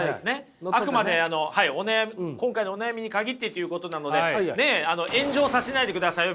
あくまであの今回のお悩みに限ってということなのでねえ炎上させないでくださいよ